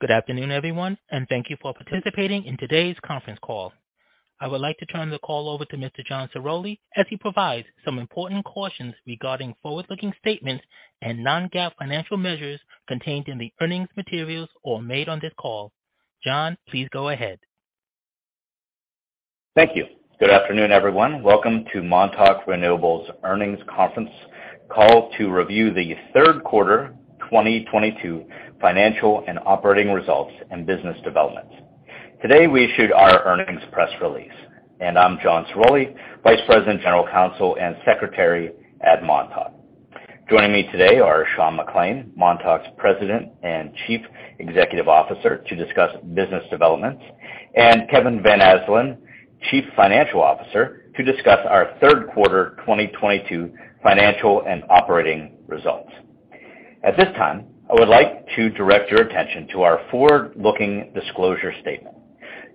Good afternoon, everyone, and thank you for participating in today's conference call. I would like to turn the call over to Mr. John Ciroli as he provides some important cautions regarding forward-looking statements and non-GAAP financial measures contained in the earnings materials or made on this call. John, please go ahead. Thank you. Good afternoon, everyone. Welcome to Montauk Renewables' earnings conference call to review the third quarter 2022 financial and operating results and business developments. Today, we issued our earnings press release. I'm John Ciroli, Vice President, General Counsel, and Secretary at Montauk. Joining me today are Sean McClain, Montauk's President and Chief Executive Officer, to discuss business developments, and Kevin Van Asdalan, Chief Financial Officer, to discuss our third quarter 2022 financial and operating results. At this time, I would like to direct your attention to our forward-looking disclosure statement.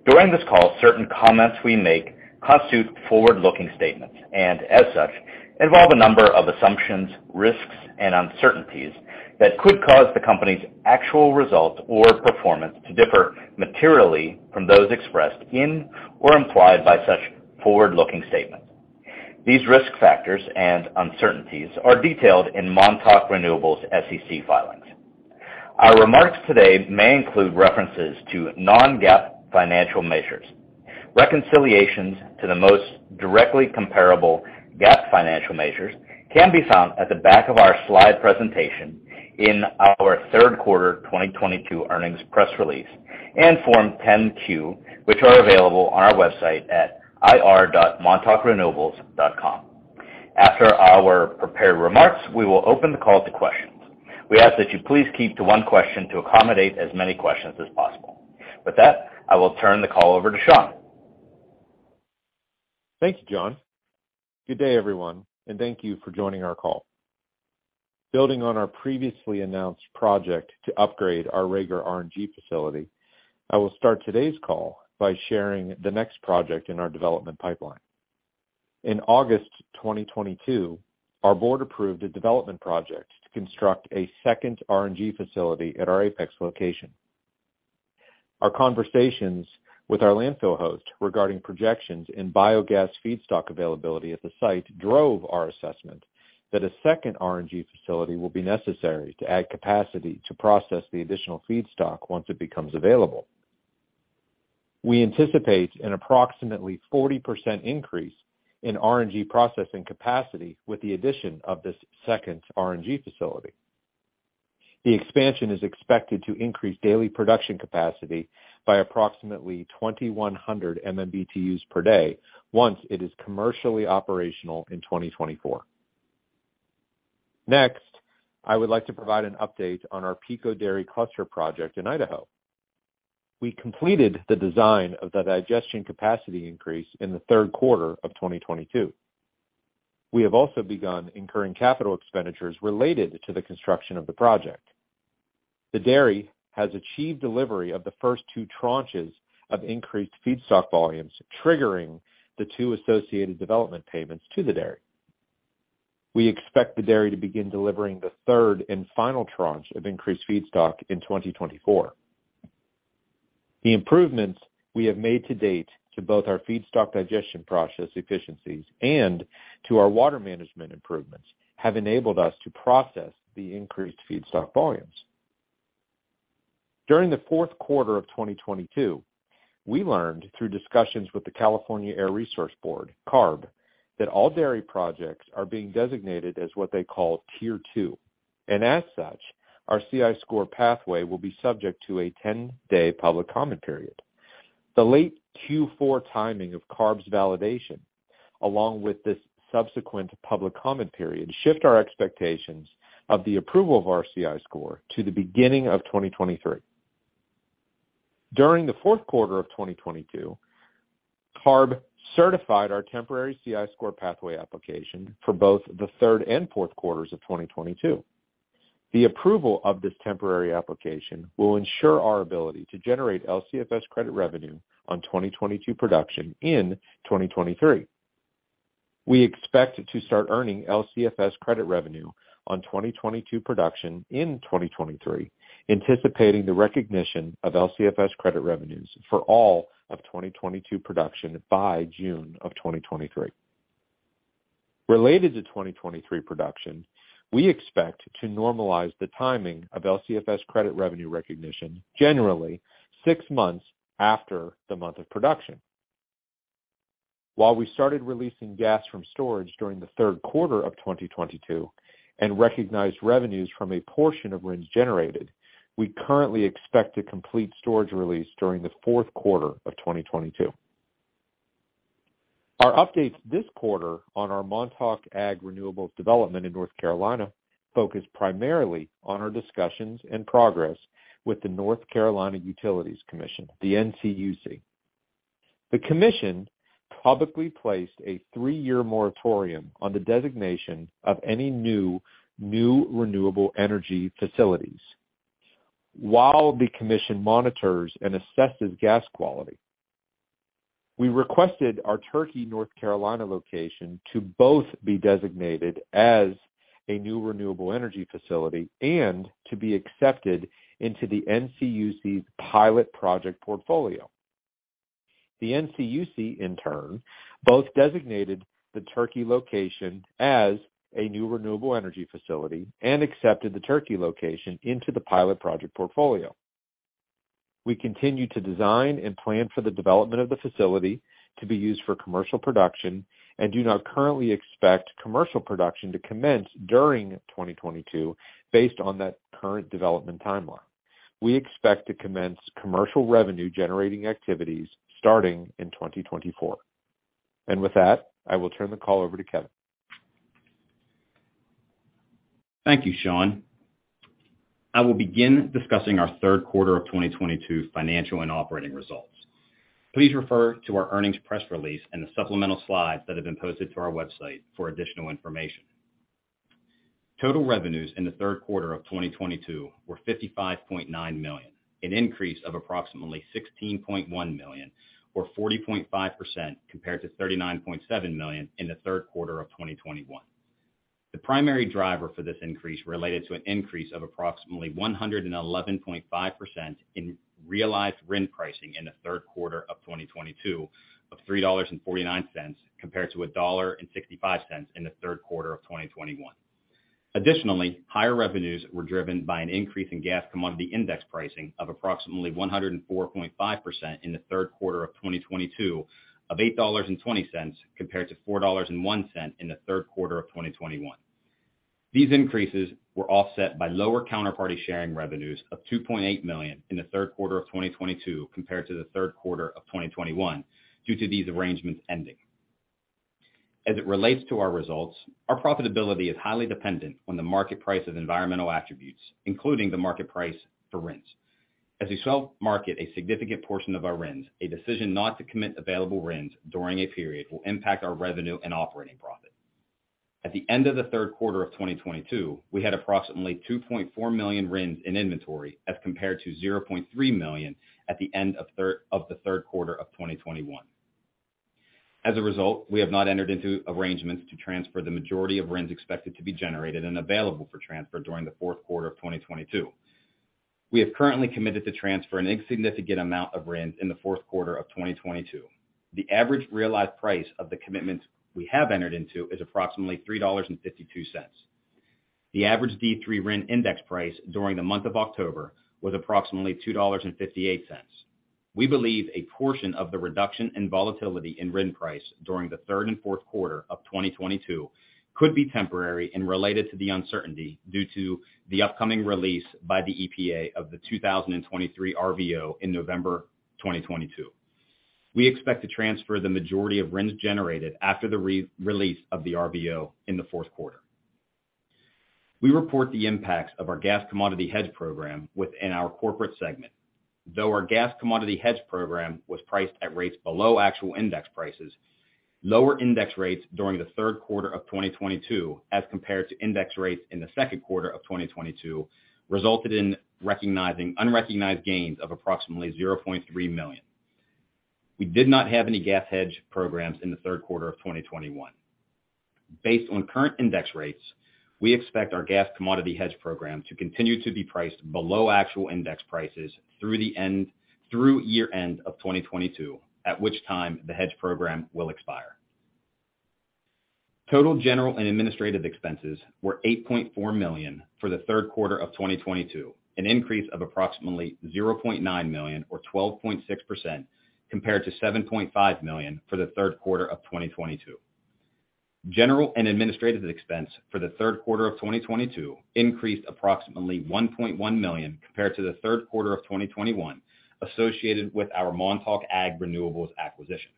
During this call, certain comments we make constitute forward-looking statements, and as such, involve a number of assumptions, risks, and uncertainties that could cause the company's actual results or performance to differ materially from those expressed in or implied by such forward-looking statements. These risk factors and uncertainties are detailed in Montauk Renewables' SEC filings. Our remarks today may include references to non-GAAP financial measures. Reconciliations to the most directly comparable GAAP financial measures can be found at the back of our slide presentation in our third quarter 2022 earnings press release and Form 10-Q, which are available on our website at ir.montaukrenewables.com. After our prepared remarks, we will open the call to questions. We ask that you please keep to one question to accommodate as many questions as possible. With that, I will turn the call over to Sean. Thank you, John. Good day, everyone, and thank you for joining our call. Building on our previously announced project to upgrade our Raeger RNG facility, I will start today's call by sharing the next project in our development pipeline. In August 2022, our Board approved a development project to construct a second RNG facility at our Apex location. Our conversations with our landfill host regarding projections in biogas feedstock availability at the site drove our assessment that a second RNG facility will be necessary to add capacity to process the additional feedstock once it becomes available. We anticipate an approximately 40% increase in RNG processing capacity with the addition of this second RNG facility. The expansion is expected to increase daily production capacity by approximately 2,100 MMBtu per day once it is commercially operational in 2024. Next, I would like to provide an update on our Pico Dairy cluster project in Idaho. We completed the design of the digestion capacity increase in the third quarter of 2022. We have also begun incurring capital expenditures related to the construction of the project. The dairy has achieved delivery of the first two tranches of increased feedstock volumes, triggering the two associated development payments to the dairy. We expect the dairy to begin delivering the third and final tranche of increased feedstock in 2024. The improvements we have made to date to both our feedstock digestion process efficiencies and to our water management improvements have enabled us to process the increased feedstock volumes. During the fourth quarter of 2022, we learned through discussions with the California Air Resources Board, CARB, that all dairy projects are being designated as what they call Tier 2, and as such, our CI Score pathway will be subject to a 10-day public comment period. The late Q4 timing of CARB's validation, along with this subsequent public comment period, shift our expectations of the approval of our CI Score to the beginning of 2023. During the fourth quarter of 2022, CARB certified our temporary CI Score pathway application for both the third and fourth quarters of 2022. The approval of this temporary application will ensure our ability to generate LCFS credit revenue on 2022 production in 2023. We expect to start earning LCFS credit revenue on 2022 production in 2023, anticipating the recognition of LCFS credit revenues for all of 2022 production by June of 2023. Related to 2023 production, we expect to normalize the timing of LCFS credit revenue recognition generally six months after the month of production. While we started releasing gas from storage during the third quarter of 2022 and recognized revenues from a portion of RINs generated, we currently expect to complete storage release during the fourth quarter of 2022. Our updates this quarter on our Montauk Ag Renewables development in North Carolina focus primarily on our discussions and progress with the North Carolina Utilities Commission, the NCUC. The commission publicly placed a three-year moratorium on the designation of any new renewable energy facilities. While the Commission monitors and assesses gas quality, we requested our Turkey, North Carolina location to both be designated as a new renewable energy facility and to be accepted into the NCUC's pilot project portfolio. The NCUC, in turn, both designated the Turkey location as a new renewable energy facility and accepted the Turkey location into the pilot project portfolio. We continue to design and plan for the development of the facility to be used for commercial production and do not currently expect commercial production to commence during 2022 based on that current development timeline. We expect to commence commercial revenue generating activities starting in 2024. With that, I will turn the call over to Kevin. Thank you, Sean. I will begin discussing our third quarter of 2022 financial and operating results. Please refer to our earnings press release and the supplemental slides that have been posted to our website for additional information. Total revenues in the third quarter of 2022 were $55.9 million, an increase of approximately $16.1 million or 40.5% compared to $39.7 million in the third quarter of 2021. The primary driver for this increase related to an increase of approximately 111.5% in realized RIN pricing in the third quarter of 2022 of $3.49, compared to $1.65 in the third quarter of 2021. Additionally, higher revenues were driven by an increase in gas commodity index pricing of approximately 104.5% in the third quarter of 2022 to $8.20 compared to $4.01 in the third quarter of 2021. These increases were offset by lower counterparty sharing revenues of $2.8 million in the third quarter of 2022 compared to the third quarter of 2021 due to these arrangements ending. As it relates to our results, our profitability is highly dependent on the market price of environmental attributes, including the market price for RINs. As we self-market a significant portion of our RINs, a decision not to commit available RINs during a period will impact our revenue and operating profit. At the end of the third quarter of 2022, we had approximately 2.4 million RINS in inventory as compared to 0.3 million at the end of the third quarter of 2021. As a result, we have not entered into arrangements to transfer the majority of RINS expected to be generated and available for transfer during the fourth quarter of 2022. We have currently committed to transfer an insignificant amount of RINS in the fourth quarter of 2022. The average realized price of the commitments we have entered into is approximately $3.52. The average D3 RIN index price during the month of October was approximately $2.58. We believe a portion of the reduction in volatility in RIN price during the third and fourth quarter of 2022 could be temporary and related to the uncertainty due to the upcoming release by the EPA of the 2023 RVO in November 2022. We expect to transfer the majority of RINS generated after the re-release of the RVO in the fourth quarter. We report the impacts of our gas commodity hedge program within our corporate segment. Though our gas commodity hedge program was priced at rates below actual index prices, lower index rates during the third quarter of 2022 as compared to index rates in the second quarter of 2022 resulted in unrecognized gains of approximately $0.3 million. We did not have any gas hedge programs in the third quarter of 2021. Based on current index rates, we expect our gas commodity hedge program to continue to be priced below actual index prices through year-end of 2022, at which time the hedge program will expire. Total general and administrative expenses were $8.4 million for the third quarter of 2022, an increase of approximately $0.9 million or 12.6% compared to $7.5 million for the third quarter of 2022. General and administrative expense for the third quarter of 2022 increased approximately $1.1 million compared to the third quarter of 2021 associated with our Montauk Ag Renewables acquisition.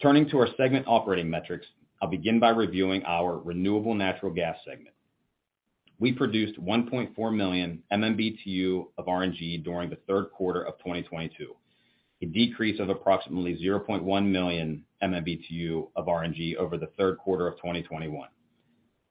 Turning to our segment operating metrics, I'll begin by reviewing our renewable natural gas segment. We produced 1.4 million MMBtu of RNG during the third quarter of 2022, a decrease of approximately 0.1 million MMBtu of RNG over the third quarter of 2021.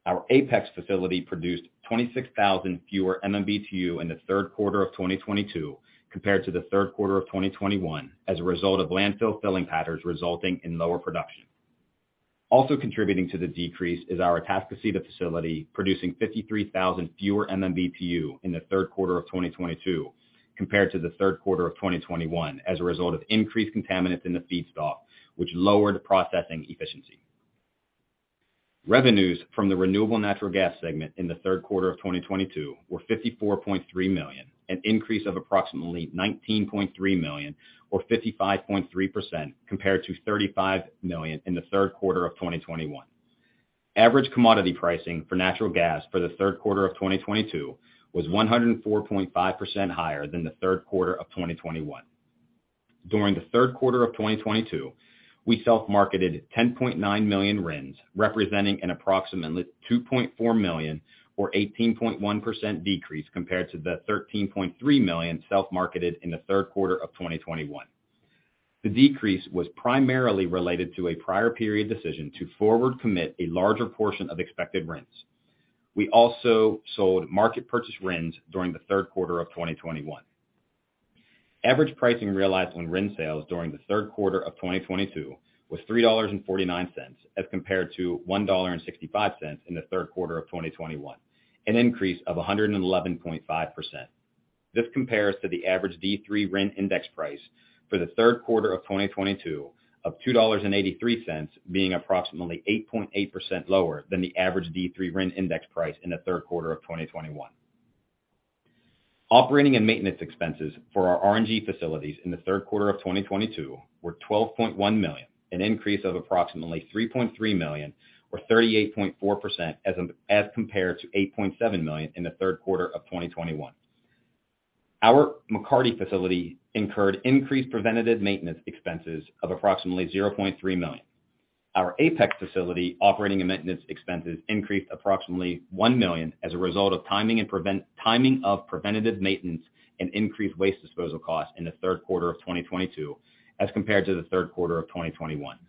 Our Apex facility produced 26,000 fewer MMBtu in the third quarter of 2022 compared to the third quarter of 2021 as a result of landfill filling patterns resulting in lower production. Also contributing to the decrease is our Atascocita facility producing 53,000 fewer MMBtu in the third quarter of 2022 compared to the third quarter of 2021 as a result of increased contaminants in the feedstock which lowered processing efficiency. Revenues from the Renewable Natural Gas segment in the third quarter of 2022 were $54.3 million, an increase of approximately $19.3 million or 55.3% compared to $35 million in the third quarter of 2021. Average commodity pricing for natural gas for the third quarter of 2022 was 104.5% higher than the third quarter of 2021. During the third quarter of 2022, we self-marketed 10.9 million RINs, representing an approximately 2.4 million or 18.1% decrease compared to the 13.3 million self-marketed in the third quarter of 2021. The decrease was primarily related to a prior period decision to forward commit a larger portion of expected RINs. We also sold market-purchased RINs during the third quarter of 2021. Average pricing realized on RIN sales during the third quarter of 2022 was $3.49, as compared to $1.65 in the third quarter of 2021, an increase of 111.5%. This compares to the average D3 RIN index price for the third quarter of 2022 of $2.83, being approximately 8.8% lower than the average D3 RIN index price in the third quarter of 2021. Operating and maintenance expenses for our RNG facilities in the third quarter of 2022 were $12.1 million, an increase of approximately $3.3 million, or 38.4% as compared to $8.7 million in the third quarter of 2021. Our McCarty facility incurred increased preventative maintenance expenses of approximately $0.3 million. Our Apex facility operating and maintenance expenses increased approximately $1 million as a result of timing of preventative maintenance and increased waste disposal costs in the third quarter of 2022 as compared to the third quarter of 2021.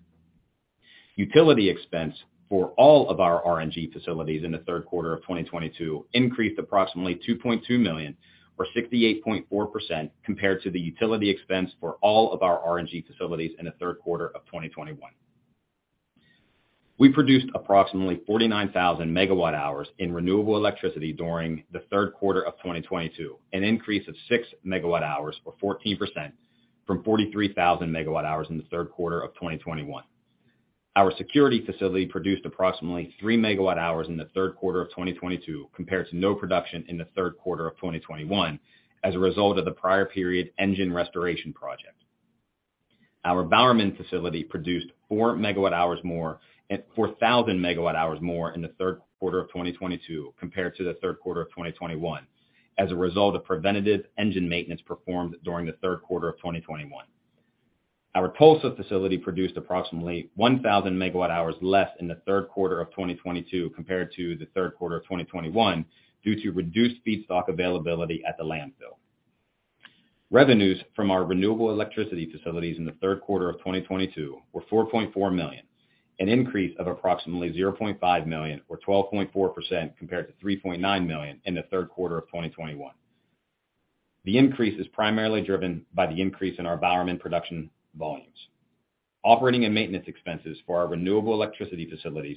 Utility expense for all of our RNG facilities in the third quarter of 2022 increased approximately $2.2 million, or 68.4% compared to the utility expense for all of our RNG facilities in the third quarter of 2021. We produced approximately 49,000 MWh in Renewable Electricity during the third quarter of 2022, an increase of 6 MWh, or 14% from 43,000 MWh in the third quarter of 2021. Our Security facility produced approximately 3 MWh in the third quarter of 2022 compared to no production in the third quarter of 2021, as a result of the prior period engine restoration project. Our Bowerman facility produced 4,000 MWh more in the third quarter of 2022 compared to the third quarter of 2021 as a result of preventative engine maintenance performed during the third quarter of 2021. Our Tulsa facility produced approximately 1,000 MWh less in the third quarter of 2022 compared to the third quarter of 2021 due to reduced feedstock availability at the landfill. Revenues from our Renewable Electricity facilities in the third quarter of 2022 were $4.4 million, an increase of approximately $0.5 million or 12.4% compared to $3.9 million in the third quarter of 2021. The increase is primarily driven by the increase in our Bowerman production volumes. Operating and maintenance expenses for our Renewable Electricity facilities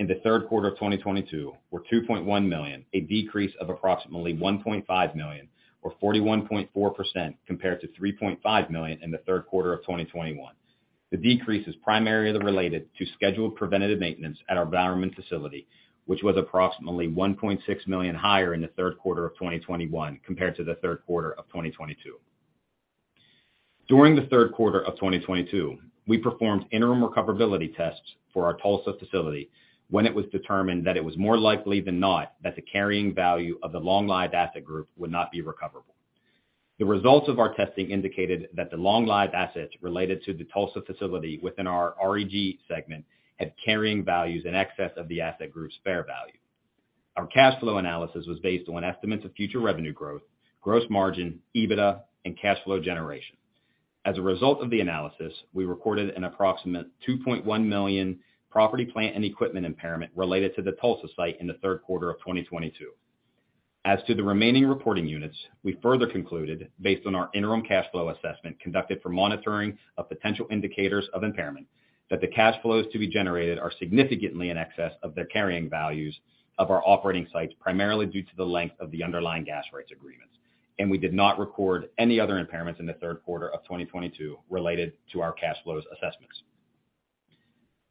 in the third quarter of 2022 were $2.1 million, a decrease of approximately $1.5 million or 41.4% compared to $3.5 million in the third quarter of 2021. The decrease is primarily related to scheduled preventative maintenance at our Bowerman facility, which was approximately $1.6 million higher in the third quarter of 2021 compared to the third quarter of 2022. During the third quarter of 2022, we performed interim recoverability tests for our Tulsa facility when it was determined that it was more likely than not that the carrying value of the long-lived asset group would not be recoverable. The results of our testing indicated that the long-lived assets related to the Tulsa facility within our REG segment had carrying values in excess of the asset group's fair value. Our cash flow analysis was based on estimates of future revenue growth, gross margin, EBITDA, and cash flow generation. As a result of the analysis, we recorded an approximate $2.1 million property, plant, and equipment impairment related to the Tulsa site in the third quarter of 2022. As to the remaining reporting units, we further concluded, based on our interim cash flow assessment conducted for monitoring of potential indicators of impairment, that the cash flows to be generated are significantly in excess of their carrying values of our operating sites, primarily due to the length of the underlying gas rates agreements, and we did not record any other impairments in the third quarter of 2022 related to our cash flows assessments.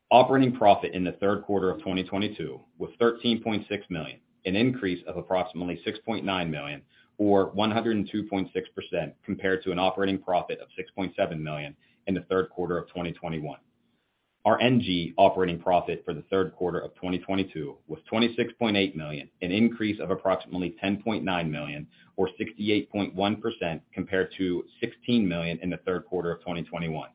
Operating profit in the third quarter of 2022 was $13.6 million, an increase of approximately $6.9 million or 102.6% compared to an operating profit of $6.7 million in the third quarter of 2021. Our NG operating profit for the third quarter of 2022 was $26.8 million, an increase of approximately $10.9 million or 68.1% compared to $16 million in the third quarter of 2021.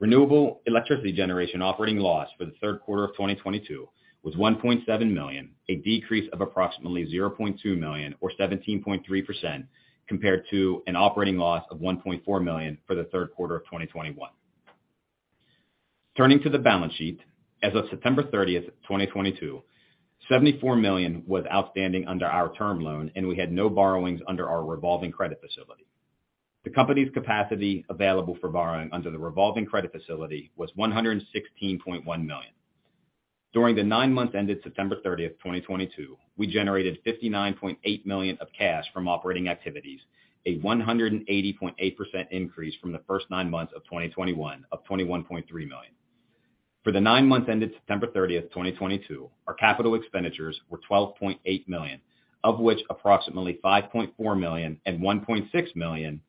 Renewable Electricity Generation operating loss for the third quarter of 2022 was $1.7 million, a decrease of approximately $0.2 million or 17.3% compared to an operating loss of $1.4 million for the third quarter of 2021. Turning to the balance sheet. As of September 30, 2022, $74 million was outstanding under our term loan, and we had no borrowings under our revolving credit facility. The company's capacity available for borrowing under the revolving credit facility was $116.1 million. During the nine months ended September 30th, 2022, we generated $59.8 million of cash from operating activities, a 180.8% increase from the first nine months of 2021 of $21.3 million. For the nine months ended September 30th, 2022, our capital expenditures were $12.8 million, of which approximately $5.4 million and $1.6 million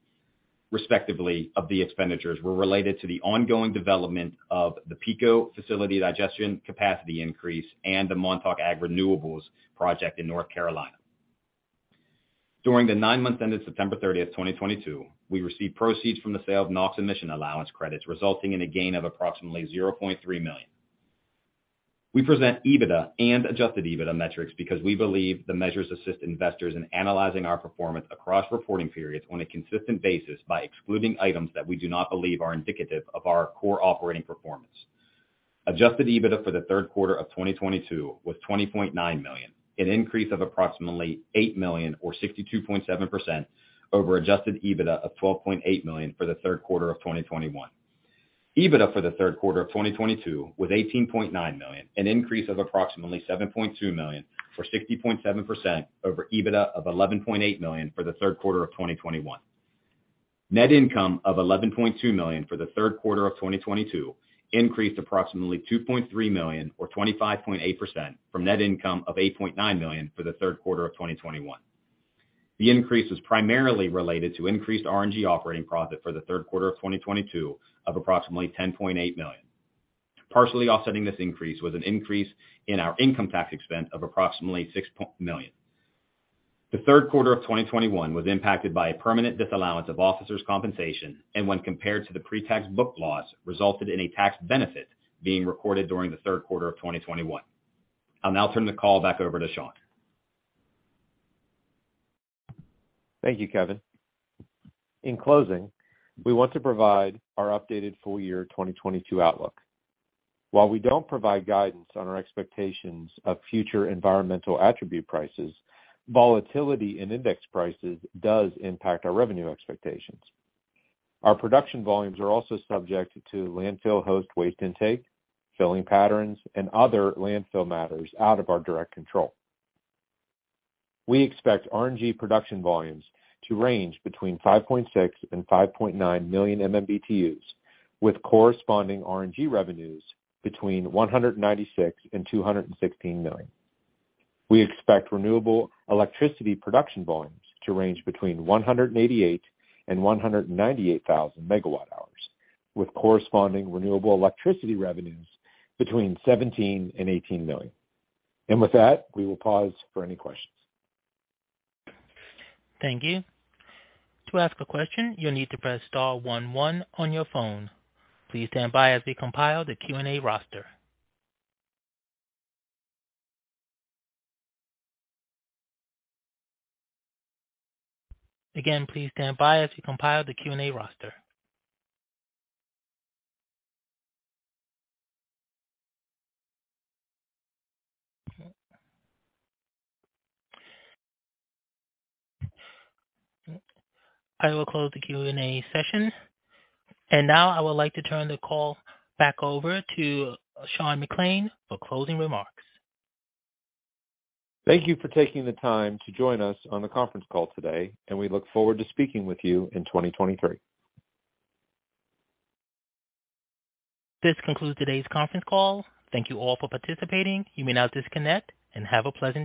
respectively of the expenditures were related to the ongoing development of the Pico facility digestion capacity increase and the Montauk Ag Renewables project in North Carolina. During the nine months ended September 30th, 2022, we received proceeds from the sale of NOx emission allowance credits, resulting in a gain of approximately $0.3 million. We present EBITDA and adjusted EBITDA metrics because we believe the measures assist investors in analyzing our performance across reporting periods on a consistent basis by excluding items that we do not believe are indicative of our core operating performance. Adjusted EBITDA for the third quarter of 2022 was $20.9 million, an increase of approximately $8 million or 62.7% over adjusted EBITDA of $12.8 million for the third quarter of 2021. EBITDA for the third quarter of 2022 was $18.9 million, an increase of approximately $7.2 million or 67% over EBITDA of $11.8 million for the third quarter of 2021. Net income of $11.2 million for the third quarter of 2022 increased approximately $2.3 million or 25.8% from net income of $8.9 million for the third quarter of 2021. The increase was primarily related to increased RNG operating profit for the third quarter of 2022 of approximately $10.8 million. Partially offsetting this increase was an increase in our income tax expense of approximately $6 million. The third quarter of 2021 was impacted by a permanent disallowance of officers compensation and when compared to the pre-tax book loss, resulted in a tax benefit being recorded during the third quarter of 2021. I'll now turn the call back over to Sean. Thank you, Kevin. In closing, we want to provide our updated full year 2022 outlook. While we don't provide guidance on our expectations of future environmental attribute prices, volatility in index prices does impact our revenue expectations. Our production volumes are also subject to landfill host waste intake, filling patterns and other landfill matters out of our direct control. We expect RNG production volumes to range between 5.6 million MMBtu and 5.9 million MMBtu, with corresponding RNG revenues between $196 million and $216 million. We expect renewable electricity production volumes to range between 188,000 MWh and 198,000 MWh, with corresponding renewable electricity revenues between $17 million and $18 million. With that, we will pause for any questions. Thank you. To ask a question, you'll need to press star one one on your phone. Please stand by as we compile the Q&A roster. Again, please stand by as we compile the Q&A roster. I will close the Q&A session. Now I would like to turn the call back over to Sean McClain for closing remarks. Thank you for taking the time to join us on the conference call today, and we look forward to speaking with you in 2023. This concludes today's conference call. Thank you all for participating. You may now disconnect and have a pleasant day.